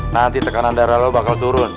nanti tekanan darah lo bakal turun